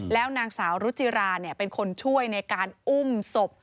แล้วนางสาวรุจิราเป็นคนช่วยในการอุ้มศพ